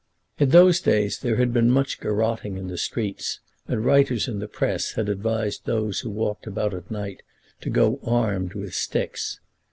In those days there had been much garotting in the streets, and writers in the Press had advised those who walked about at night to go armed with sticks.